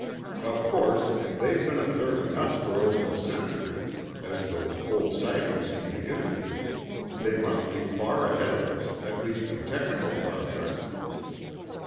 Of course, if they've been observing us for over a century, as those old sightings seem to indicate, they must be far ahead of us, at least in technical progress."